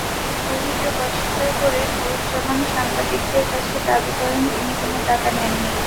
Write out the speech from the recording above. অভিযোগ অস্বীকার করে নুরুজ্জামান সাংবাদিকদের কাছে দাবি করেন, তিনি কোনো টাকা নেননি।